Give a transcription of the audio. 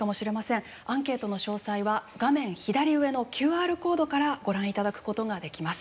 アンケートの詳細は画面左上のＱＲコードからご覧いただくことができます。